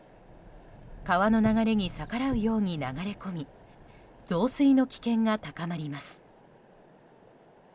川の流れに逆らうように流れ込み増水の危険が高まります。